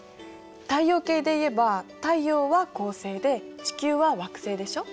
太陽系でいえば太陽は恒星で地球は惑星でしょ。